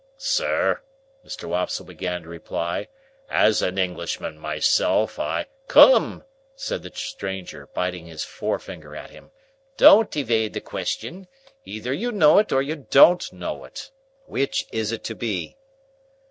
"Sir," Mr. Wopsle began to reply, "as an Englishman myself, I—" "Come!" said the stranger, biting his forefinger at him. "Don't evade the question. Either you know it, or you don't know it. Which is it to be?"